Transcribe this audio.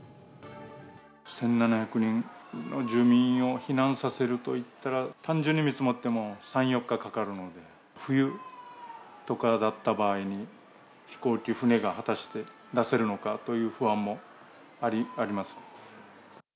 １７００人の住民を避難させるといったら、単純に見積もっても３、４日かかるので、冬とかだった場合に、飛行機、船が果たして出せるのかという不安もあります。